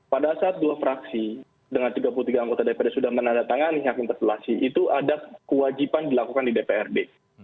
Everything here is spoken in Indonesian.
pada saat dua fraksi dengan tiga puluh tiga anggota dprd sudah menandatangani hak interpelasi itu ada kewajiban dilakukan di dprd